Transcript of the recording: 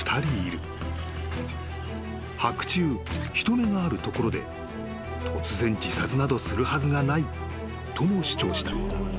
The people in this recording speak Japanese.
［白昼人目があるところで突然自殺などするはずがないとも主張した］